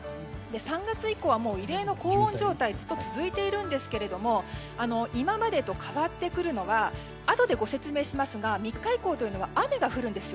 ３月以降は異例の高温状態が続いているんですが今までと変わってくるのがあとでご説明しますが３日以降というのは雨が降るんです。